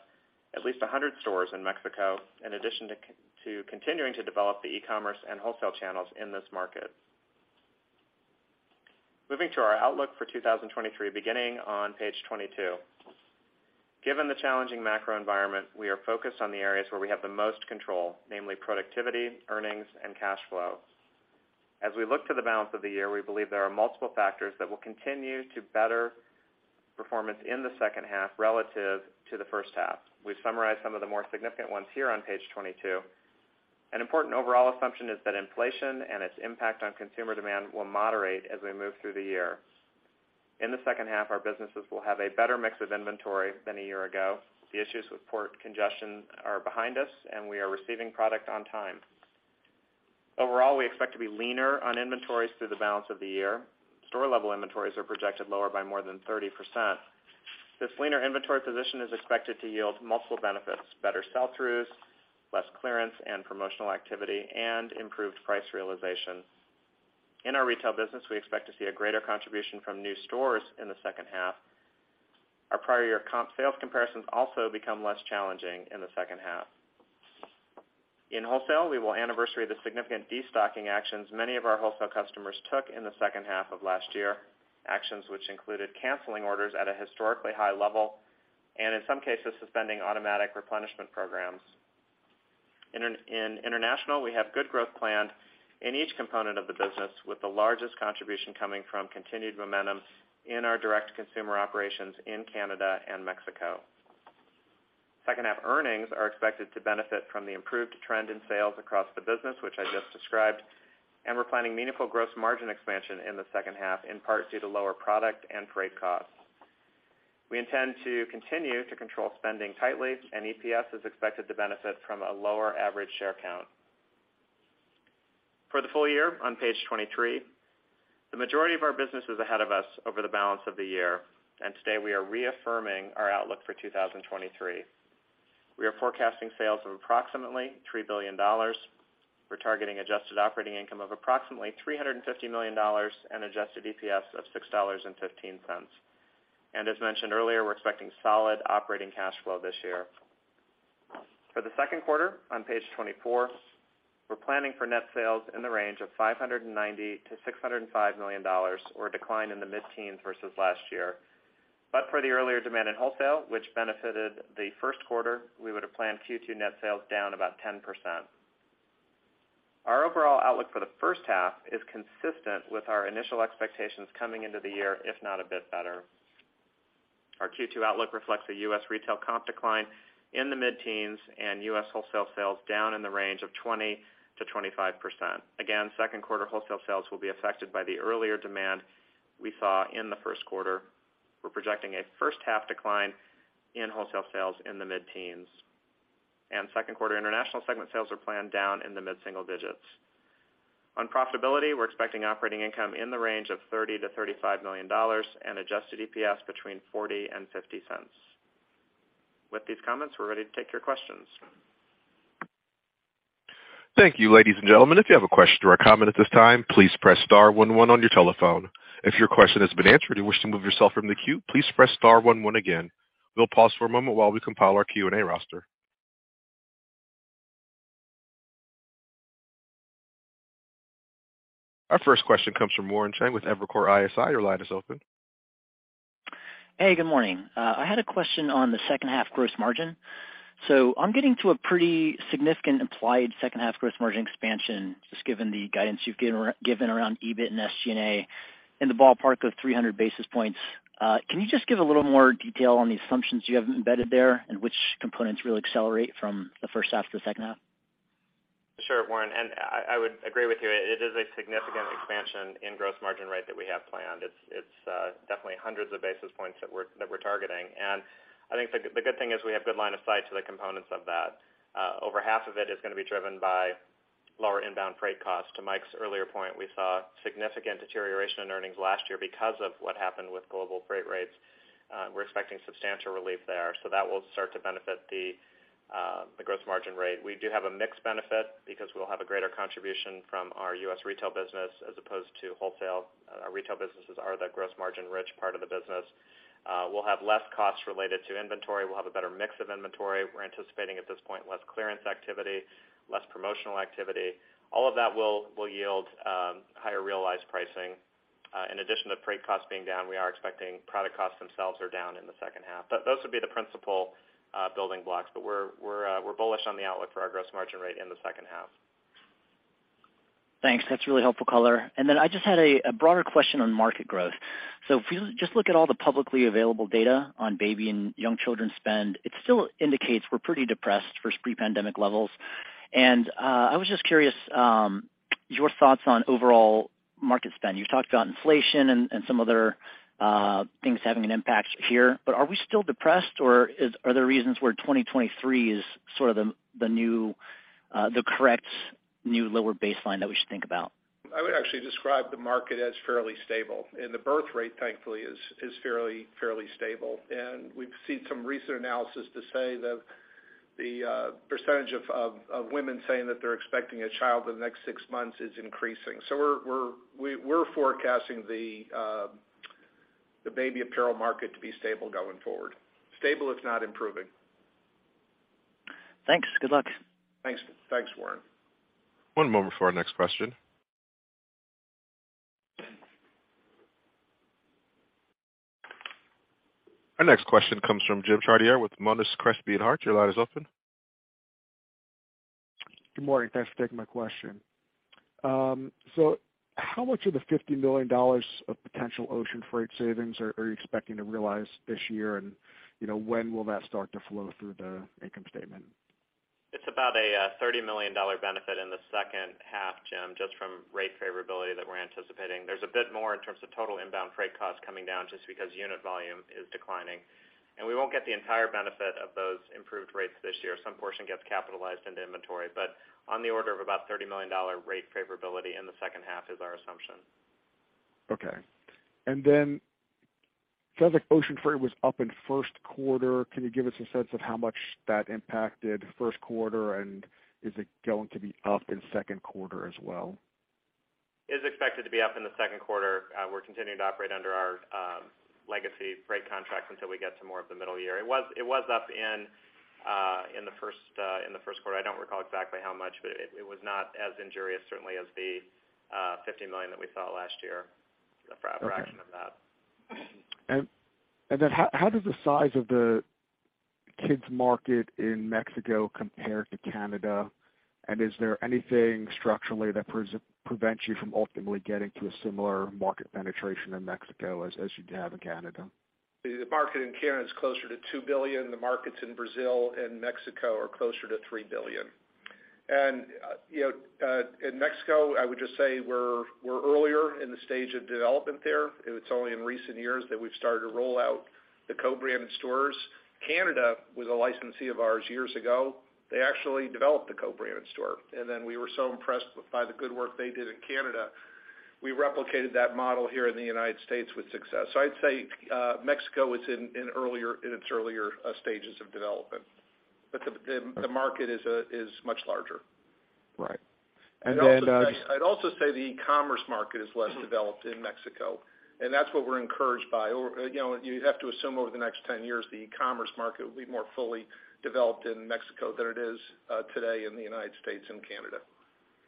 at least 100 stores in Mexico, in addition to continuing to develop the e-commerce and wholesale channels in this market. Moving to our outlook for 2023, beginning on page 22. Given the challenging macro environment, we are focused on the areas where we have the most control, namely productivity, earnings, and cash flow. As we look to the balance of the year, we believe there are multiple factors that will continue to better performance in the second half relative to the first half. We've summarized some of the more significant ones here on page 22. An important overall assumption is that inflation and its impact on consumer demand will moderate as we move through the year. In the second half, our businesses will have a better mix of inventory than a year ago. The issues with port congestion are behind us, and we are receiving product on time. Overall, we expect to be leaner on inventories through the balance of the year. Store-level inventories are projected lower by more than 30%. This leaner inventory position is expected to yield multiple benefits, better sell-throughs, less clearance and promotional activity, and improved price realization. In our retail business, we expect to see a greater contribution from new stores in the second half. Our prior year comp sales comparisons also become less challenging in the second half. In wholesale, we will anniversary the significant destocking actions many of our wholesale customers took in the second half of last year, actions which included canceling orders at a historically high level and, in some cases, suspending automatic replenishment programs. In international, we have good growth planned in each component of the business, with the largest contribution coming from continued momentum in our direct consumer operations in Canada and Mexico. Second half earnings are expected to benefit from the improved trend in sales across the business, which I just described, and we're planning meaningful gross margin expansion in the second half, in part due to lower product and freight costs. We intend to continue to control spending tightly, and EPS is expected to benefit from a lower average share count. For the full year on page 23, the majority of our business is ahead of us over the balance of the year, and today we are reaffirming our outlook for 2023. We are forecasting sales of approximately $3 billion. We're targeting adjusted operating income of approximately $350 million and adjusted EPS of $6.15. As mentioned earlier, we're expecting solid operating cash flow this year. For the second quarter, on page 24, we're planning for net sales in the range of $590 million-$605 million or a decline in the mid-teens versus last year. For the earlier demand in wholesale, which benefited the first quarter, we would have planned Q2 net sales down about 10%. Our overall outlook for the first half is consistent with our initial expectations coming into the year, if not a bit better. Our Q2 outlook reflects a US retail comp decline in the mid-teens and US wholesale sales down in the range of 20%-25%. Again, second quarter wholesale sales will be affected by the earlier demand we saw in the first quarter. We're projecting a first half decline in wholesale sales in the mid-teens. Second quarter international segment sales are planned down in the mid-single digits. On profitability, we're expecting operating income in the range of $30 million-$35 million and adjusted EPS between $0.40 and $0.50. With these comments, we're ready to take your questions. Thank you, ladies and gentlemen. If you have a question or a comment at this time, please press star one one on your telephone. If your question has been answered and you wish to remove yourself from the queue, please press star one one again. We'll pause for a moment while we compile our Q&A roster. Our first question comes from Warren Cheng with Evercore ISI. Your line is open. Hey, good morning. I had a question on the second half gross margin. I'm getting to a pretty significant implied second half gross margin expansion, just given the guidance you've given around EBIT and SG&A in the ballpark of 300 basis points. Can you just give a little more detail on the assumptions you have embedded there and which components really accelerate from the first half to the second half? Sure, Warren, I would agree with you. It is a significant expansion in gross margin rate that we have planned. It's definitely hundreds of basis points that we're targeting. I think the good thing is we have good line of sight to the components of that. Over half of it is gonna be driven by lower inbound freight costs. To Mike's earlier point, we saw significant deterioration in earnings last year because of what happened with global freight rates. We're expecting substantial relief there that will start to benefit the gross margin rate. We do have a mixed benefit because we'll have a greater contribution from our U.S. retail business as opposed to wholesale. Our retail businesses are the gross margin rich part of the business. We'll have less costs related to inventory. We'll have a better mix of inventory. We're anticipating, at this point, less clearance activity, less promotional activity. All of that will yield higher realized pricing. In addition to freight costs being down, we are expecting product costs themselves are down in the second half. Those would be the principal building blocks. We're bullish on the outlook for our gross margin rate in the second half. Thanks. That's really helpful color. I just had a broader question on market growth. If you just look at all the publicly available data on baby and young children spend, it still indicates we're pretty depressed versus pre-pandemic levels. I was just curious your thoughts on overall market spend. You talked about inflation and some other things having an impact here, but are we still depressed or are there reasons where 2023 is sort of the new, the correct new lower baseline that we should think about? I would actually describe the market as fairly stable, and the birth rate, thankfully is fairly stable. We've seen some recent analysis to say that the percentage of women saying that they're expecting a child in the next six months is increasing. We're forecasting the baby apparel market to be stable going forward. Stable, if not improving. Thanks. Good luck. Thanks. Thanks, Warren. One moment for our next question. Our next question comes from Jim Chartier with Monness, Crespi, Hardt & Co.. Your line is open. Good morning. Thanks for taking my question. How much of the $50 million of potential ocean freight savings are you expecting to realize this year? You know, when will that start to flow through the income statement? It's about a $30 million benefit in the second half, Jim, just from rate favorability that we're anticipating. There's a bit more in terms of total inbound freight costs coming down just because unit volume is declining. We won't get the entire benefit of those improved rates this year. Some portion gets capitalized into inventory, but on the order of about $30 million rate favorability in the second half is our assumption. Okay. It sounds like ocean freight was up in first quarter. Can you give us a sense of how much that impacted first quarter? Is it going to be up in second quarter as well? Is expected to be up in the second quarter. We're continuing to operate under our legacy freight contracts until we get to more of the middle year. It was up in the first quarter. I don't recall exactly how much, but it was not as injurious certainly as the $50 million that we saw last year. A fraction of that. Okay. Then how does the size of the kids market in Mexico compare to Canada? Is there anything structurally that prevents you from ultimately getting to a similar market penetration in Mexico as you'd have in Canada? The market in Canada is closer to $2 billion. The markets in Brazil and Mexico are closer to $3 billion. You know, in Mexico, I would just say we're earlier in the stage of development there. It's only in recent years that we've started to roll out the co-branded stores. Canada was a licensee of ours years ago. They actually developed the co-branded store, and then we were so impressed by the good work they did in Canada, we replicated that model here in the United States with success. I'd say Mexico is in earlier, in its earlier stages of development, but the market is much larger. Right. Then, I'd also say the e-commerce market is less developed in Mexico, and that's what we're encouraged by. You know, you have to assume over the next 10 years, the e-commerce market will be more fully developed in Mexico than it is today in the United States and Canada.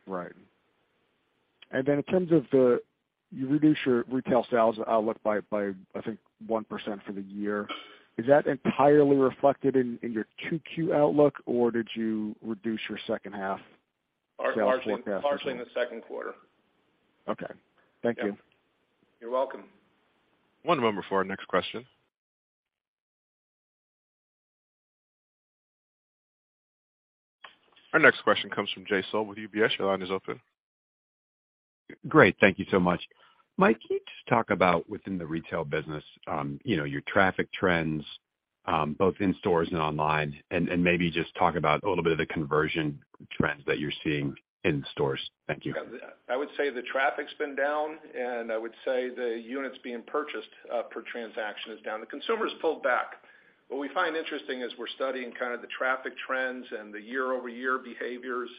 Right. In terms of you reduce your retail sales outlook by, I think, 1% for the year, is that entirely reflected in your 2Q outlook, or did you reduce your second half sales forecast as well? Partially in the second quarter. Okay. Thank you. You're welcome. One moment for our next question. Our next question comes from Jay Sole with UBS. Your line is open. Great. Thank you so much. Mike, can you just talk about within the retail business, you know, your traffic trends, both in stores and online, and maybe just talk about a little bit of the conversion trends that you're seeing in stores. Thank you. I would say the traffic's been down. I would say the units being purchased per transaction is down. The consumer's pulled back. What we find interesting as we're studying kind of the traffic trends and the year-over-year behaviors,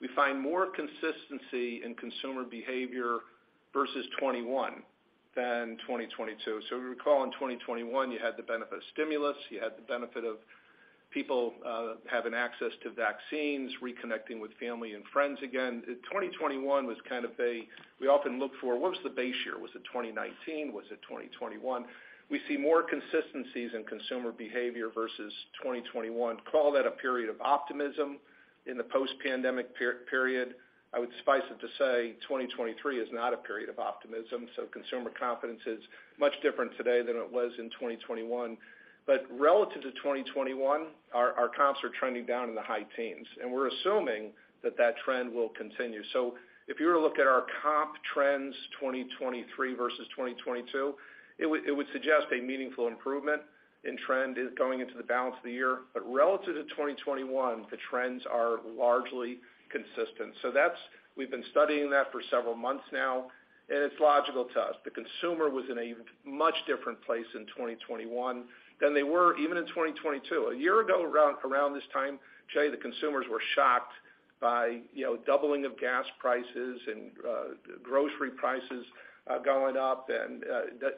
we find more consistency in consumer behavior versus 2021 than 2022. If you recall, in 2021 you had the benefit of stimulus, you had the benefit of people having access to vaccines, reconnecting with family and friends again. 2021 was kind of a... We often look for what was the base year? Was it 2019? Was it 2021? We see more consistencies in consumer behavior versus 2021. Call that a period of optimism in the post-pandemic period. I would spice it to say 2023 is not a period of optimism, consumer confidence is much different today than it was in 2021. Relative to 2021, our comps are trending down in the high teens, and we're assuming that that trend will continue. If you were to look at our comp trends, 2023 versus 2022, it would suggest a meaningful improvement in trend is going into the balance of the year. Relative to 2021, the trends are largely consistent. That's we've been studying that for several months now, and it's logical to us. The consumer was in a much different place in 2021 than they were even in 2022. A year ago, around this time, Jay, the consumers were shocked by, you know, doubling of gas prices and grocery prices going up and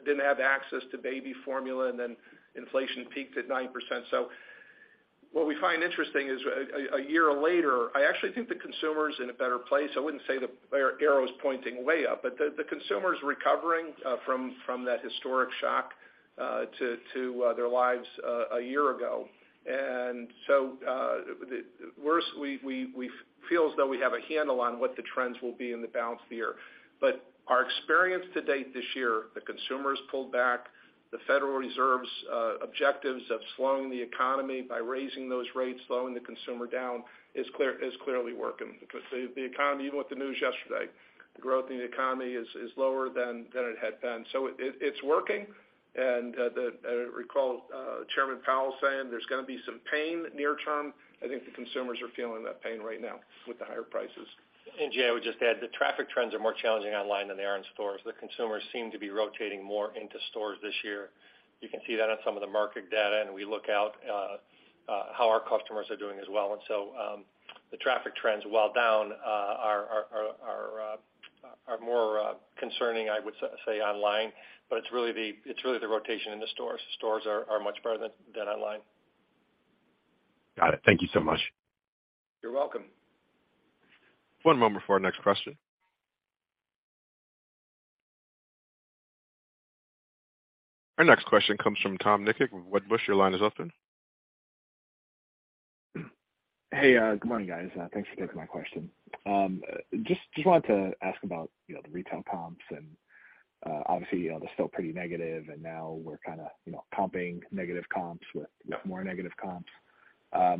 didn't have access to baby formula, and then inflation peaked at 9%. What we find interesting is a year later, I actually think the consumer's in a better place. I wouldn't say the arrow is pointing way up, but the consumer's recovering from that historic shock to their lives a year ago. Worse, we feel as though we have a handle on what the trends will be in the balance of the year. Our experience to date this year, the consumer's pulled back. The Federal Reserve's objectives of slowing the economy by raising those rates, slowing the consumer down is clearly working. Because the economy, even with the news yesterday, the growth in the economy is lower than it had been. It's working. I recall Chairman Powell saying there's gonna be some pain near term. I think the consumers are feeling that pain right now with the higher prices. Jay, I would just add, the traffic trends are more challenging online than they are in stores. The consumers seem to be rotating more into stores this year. You can see that on some of the market data, and we look out how our customers are doing as well. The traffic trends, while down, are more concerning, I would say online. It's really the rotation in the stores. Stores are much better than online. Got it. Thank you so much. You're welcome. One moment for our next question. Our next question comes from Tom Nikic with Wedbush. Your line is open. Hey, good morning, guys. Thanks for taking my question. Just wanted to ask about, you know, the retail comps and obviously, you know, they're still pretty negative, and now we're kinda, you know, pumping negative comps with more negative comps.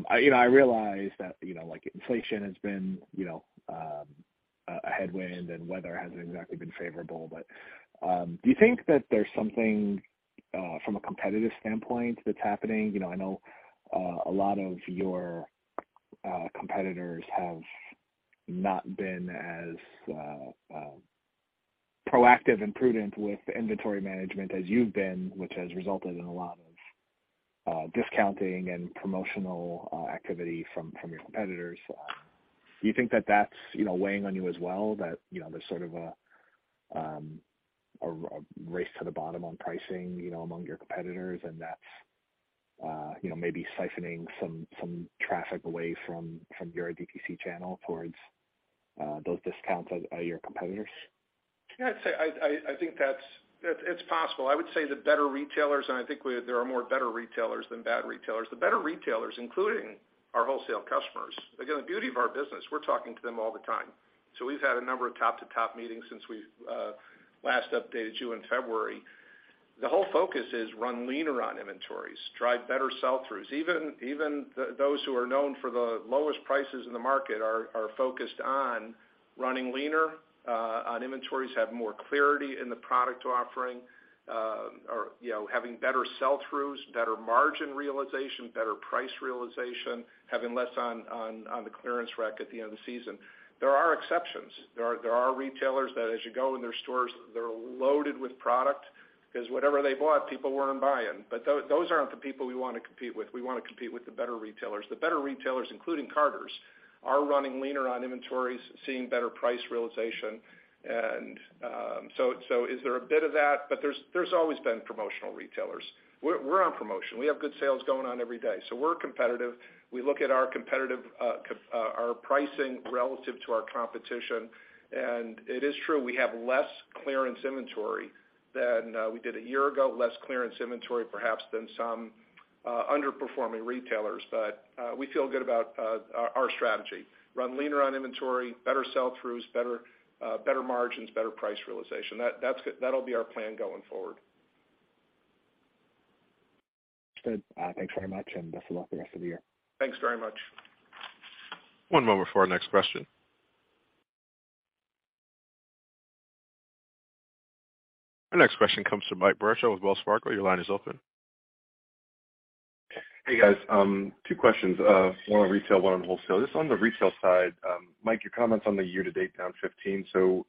I, you know, I realize that, you know, like, inflation has been, you know, a headwind and weather hasn't exactly been favorable, but do you think that there's something from a competitive standpoint that's happening? You know, I know a lot of your competitors have not been as proactive and prudent with inventory management as you've been, which has resulted in a lot of discounting and promotional activity from your competitors. Do you think that that's, you know, weighing on you as well, that, you know, there's sort of a race to the bottom on pricing, you know, among your competitors and that's, you know, maybe siphoning some traffic away from your DTC channel towards those discounts at your competitors? I'd say it's possible. I would say the better retailers, and I think there are more better retailers than bad retailers. The better retailers, including our wholesale customers. Again, the beauty of our business, we're talking to them all the time. We've had a number of top-to-top meetings since we've last updated you in February. The whole focus is run leaner on inventories, drive better sell-throughs. Even those who are known for the lowest prices in the market are focused on running leaner on inventories, have more clarity in the product offering, you know, having better sell-throughs, better margin realization, better price realization, having less on the clearance rack at the end of the season. There are exceptions. There are retailers that, as you go in their stores, they're loaded with product 'cause whatever they bought, people weren't buying. Those aren't the people we wanna compete with. We wanna compete with the better retailers. The better retailers, including Carter's, are running leaner on inventories, seeing better price realization. So is there a bit of that? There's always been promotional retailers. We're on promotion. We have good sales going on every day, so we're competitive. We look at our competitive, our pricing relative to our competition. It is true we have less clearance inventory than we did a year ago, less clearance inventory perhaps than some underperforming retailers. We feel good about our strategy. Run leaner on inventory, better sell-throughs, better margins, better price realization. That's that'll be our plan going forward. Good. Thanks very much, and best of luck the rest of the year. Thanks very much. One moment for our next question. Our next question comes from Ike Boruchow with Wells Fargo. Your line is open. Hey, guys. two questions. one on retail, one on wholesale. Just on the retail side, Mike, your comments on the year to date down 15%,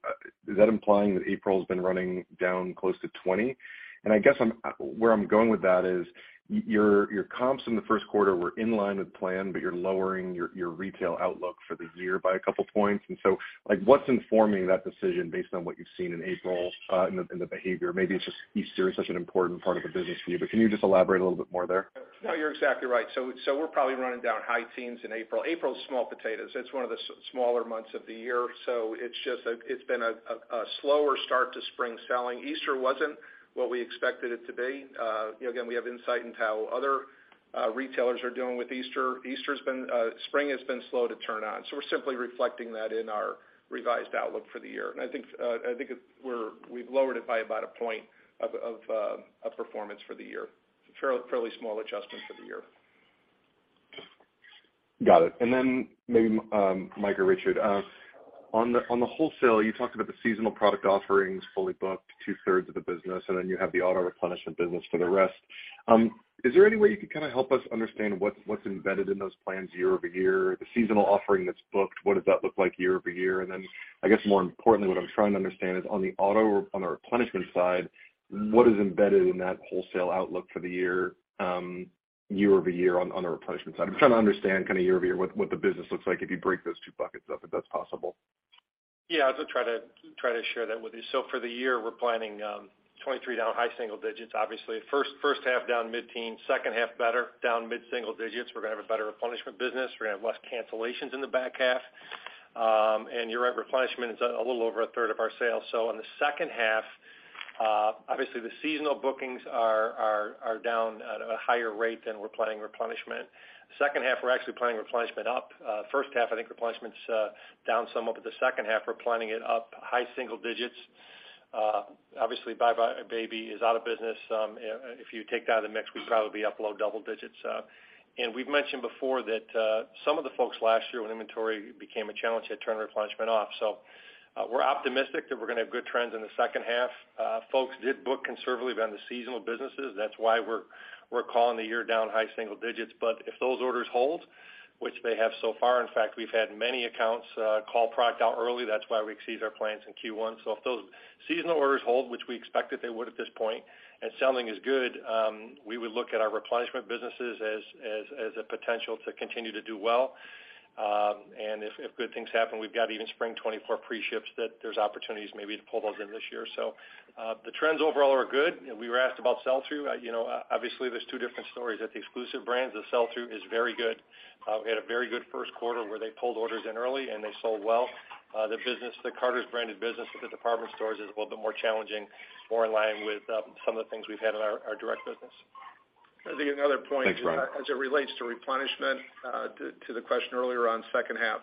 is that implying that April's been running down close to 20%? I guess where I'm going with that is your comps in the first quarter were in line with plan, but you're lowering your retail outlook for the year by a couple points. Like, what's informing that decision based on what you've seen in April, in the behavior? Maybe it's just Easter is such an important part of the business for you, but can you just elaborate a little bit more there? You're exactly right. We're probably running down high teens in April. April's small potatoes. It's one of the smaller months of the year. It's just a slower start to spring selling. Easter wasn't what we expected it to be. You know, again, we have insight into how other retailers are doing with Easter. Easter's been, spring has been slow to turn on. We're simply reflecting that in our revised outlook for the year. I think, I think we're, we've lowered it by about a point of performance for the year. Fairly small adjustment for the year. Got it. Maybe Mike or Richard, on the wholesale, you talked about the seasonal product offerings fully booked two-thirds of the business, and then you have the auto replenishment business for the rest. Is there any way you can kinda help us understand what's embedded in those plans year-over-year? The seasonal offering that's booked, what does that look like year-over-year? I guess more importantly, what I'm trying to understand is on the replenishment side, what is embedded in that wholesale outlook for the year-over-year on the replenishment side? I'm trying to understand kinda year-over-year what the business looks like if you break those two buckets up, if that's possible. Yeah. I'll try to share that with you. For the year, we're planning 2023 down high single digits, obviously. First half down mid-teen, second half better, down mid-single digits. We're gonna have a better replenishment business. We're gonna have less cancellations in the back half. You're right, replenishment is a little over 1/3 of our sales. In the second half, obviously the seasonal bookings are down at a higher rate than we're planning replenishment. Second half, we're actually planning replenishment up. First half, I think replenishment's down some, but the second half, we're planning it up high single digits. Obviously, buybuy BABY is out of business. If you take that out of the mix, we'd probably be up low double digits. We've mentioned before that some of the folks last year when inventory became a challenge had turned replenishment off. We're optimistic that we're gonna have good trends in the second half. Folks did book conservatively on the seasonal businesses. That's why we're calling the year down high single digits. If those orders hold, which they have so far, in fact, we've had many accounts call product out early, that's why we exceeded our plans in Q1. If those seasonal orders hold, which we expected they would at this point, and selling is good, we would look at our replenishment businesses as a potential to continue to do well. If good things happen, we've got even spring 2024 pre-ships that there's opportunities maybe to pull those in this year. The trends overall are good. We were asked about sell-through. You know, obviously there's two different stories. At the exclusive brands, the sell-through is very good. We had a very good first quarter where they pulled orders in early, and they sold well. The business, the Carter's branded business with the department stores is a little bit more challenging, more in line with some of the things we've had in our direct business. I think another point. Thanks, Ron. As it relates to replenishment, to the question earlier on second half,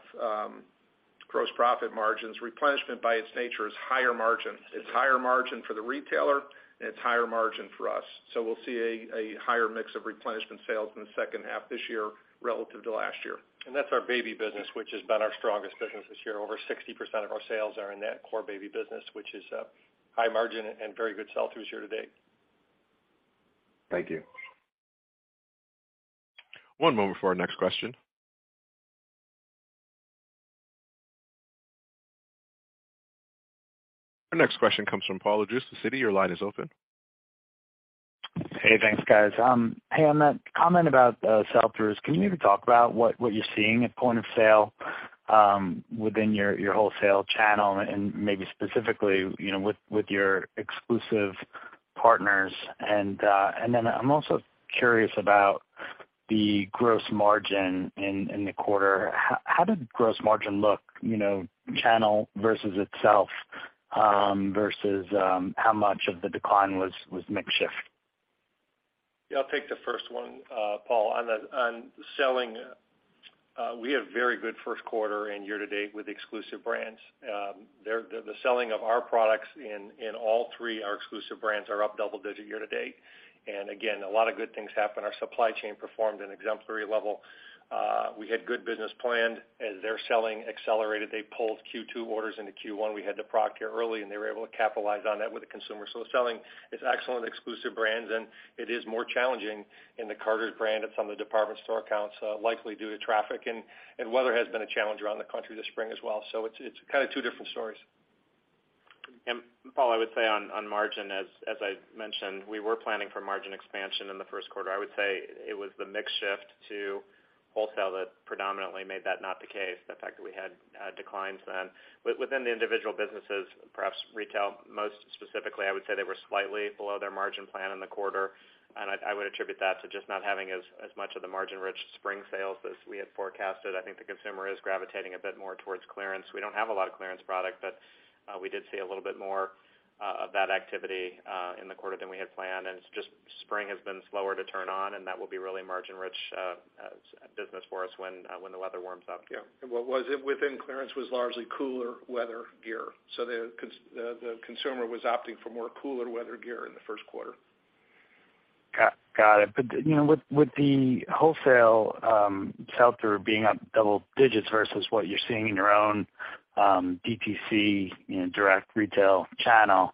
gross profit margins. Replenishment by its nature is higher margin. It's higher margin for the retailer, and it's higher margin for us. We'll see a higher mix of replenishment sales in the second half this year relative to last year. That's our baby business, which has been our strongest business this year. Over 60% of our sales are in that core baby business, which is high margin and very good sell-throughs year-to-date. Thank you. One moment for our next question. Our next question comes from Paul Lejuez with Citi. Your line is open. Hey, thanks, guys. Hey, on that comment about sell-throughs, can you talk about what you're seeing at point of sale within your wholesale channel and maybe specifically, you know, with your exclusive partners? I'm also curious about the gross margin in the quarter. How did gross margin look, you know, channel versus itself versus how much of the decline was mix shift? I'll take the first one, Paul. On selling, we had a very good first quarter and year-to-date with exclusive brands. The selling of our products in all three, our exclusive brands are up double-digit year-to-date. Again, a lot of good things happened. Our supply chain performed an exemplary level. We had good business planned. As their selling accelerated, they pulled Q2 orders into Q1. We had the product here early, and they were able to capitalize on that with the consumer. The selling is excellent exclusive brands, and it is more challenging in the Carter's brand at some of the department store accounts, likely due to traffic. Weather has been a challenge around the country this spring as well. It's, it's kinda two different stories. Paul, I would say on margin as I mentioned, we were planning for margin expansion in the first quarter. I would say it was the mix shift to wholesale that predominantly made that not the case, the fact that we had, declines then. Within the individual businesses, perhaps retail, most specifically, I would say they were slightly below their margin plan in the quarter. I would attribute that to just not having as much of the margin-rich spring sales as we had forecasted. I think the consumer is gravitating a bit more towards clearance. We don't have a lot of clearance product, but, we did see a little bit more of that activity in the quarter than we had planned. It's just spring has been slower to turn on, and that will be really margin-rich business for us when the weather warms up. Yeah. What was within clearance was largely cooler weather gear. The consumer was opting for more cooler weather gear in the first quarter. Got it. You know, with the wholesale sell-through being up double digits versus what you're seeing in your own DTC, you know, direct retail channel,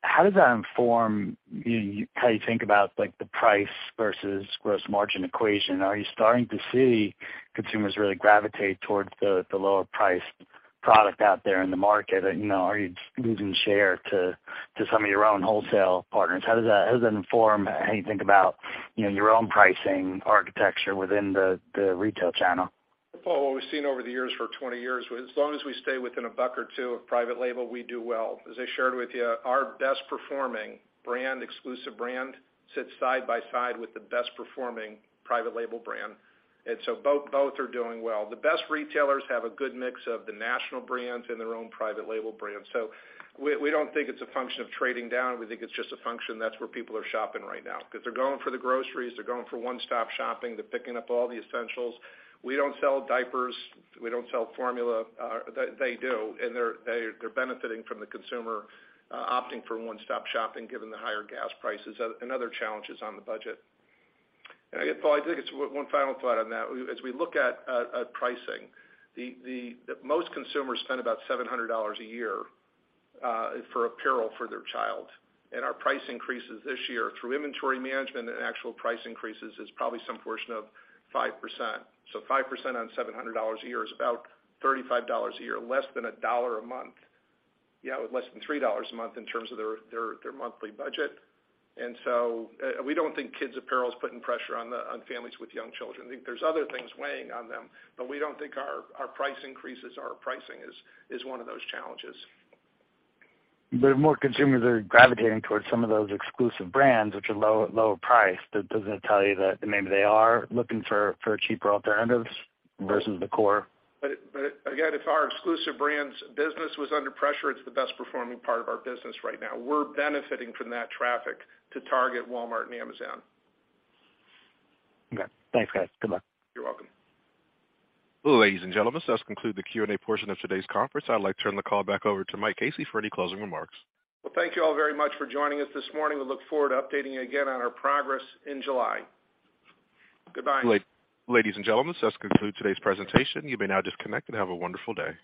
how does that inform you, how you think about, like, the price versus gross margin equation? Are you starting to see consumers really gravitate towards the lower priced product out there in the market? You know, are you losing share to some of your own wholesale partners? How does that inform how you think about, you know, your own pricing architecture within the retail channel? Paul, what we've seen over the years for 20 years, as long as we stay within a dollar or $2 of private label, we do well. As I shared with you, our best performing brand, exclusive brand, sits side by side with the best performing private label brand. Both are doing well. The best retailers have a good mix of the national brands and their own private label brands. We don't think it's a function of trading down. We think it's just a function that's where people are shopping right now. Because they're going for the groceries, they're going for one-stop shopping, they're picking up all the essentials. We don't sell diapers. We don't sell formula. They do, and they're benefiting from the consumer opting for one-stop shopping given the higher gas prices and other challenges on the budget. Paul, I think one final thought on that. As we look at pricing, most consumers spend about $700 a year for apparel for their child. Our price increases this year through inventory management and actual price increases is probably some portion of 5%. So 5% on $700 a year is about $35 a year, less than $1 a month. Yeah, less than $3 a month in terms of their monthly budget. We don't think kids apparel is putting pressure on families with young children. I think there's other things weighing on them, but we don't think our price increases, our pricing is one of those challenges. If more consumers are gravitating towards some of those exclusive brands, which are low, lower priced, doesn't it tell you that maybe they are looking for cheaper alternatives versus the core? Again, if our exclusive brands business was under pressure, it's the best performing part of our business right now. We're benefiting from that traffic to Target, Walmart, and Amazon. Okay. Thanks, guys. Good luck. You're welcome. Ladies and gentlemen, this does conclude the Q&A portion of today's conference. I'd like to turn the call back over to Michael Casey for any closing remarks. Well, thank you all very much for joining us this morning. We look forward to updating you again on our progress in July. Goodbye. Ladies and gentlemen, this concludes today's presentation. You may now disconnect and have a wonderful day.